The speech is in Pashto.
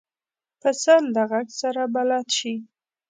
پسه له غږ سره بلد شي.